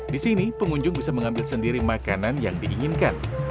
di sini pengunjung bisa mengambil sendiri makanan yang diinginkan